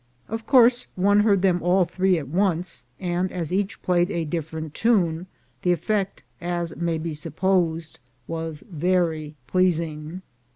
Of course, one heard them all three at once, and as each played a different tune, the effect, as may be supposed, was very pleasing.